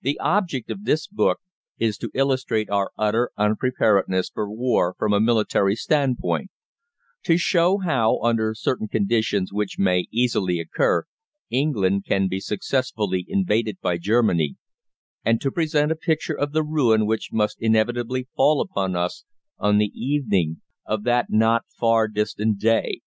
The object of this book is to illustrate our utter unpreparedness for war from a military standpoint; to show how, under certain conditions which may easily occur, England can be successfully invaded by Germany; and to present a picture of the ruin which must inevitably fall upon us on the evening of that not far distant day.